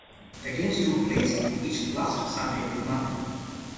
The games took place on each last Sunday of the month.